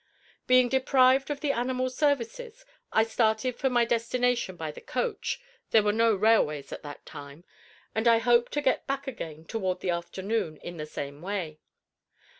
Being deprived of the animal's services, I started for my destination by the coach (there were no railways at that time), and I hoped to get back again, toward the afternoon, in the same way.